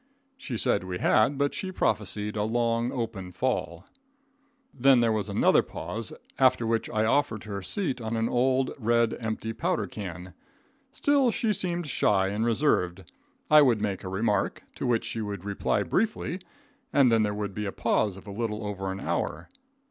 She said we had, but she prophesied a long, open fall. Then there was another pause, after which I offered her a seat on an old red empty powder can. Still, she seemed shy and reserved. I would make a remark to which she would reply briefly, and then there would be a pause of a little over an hour.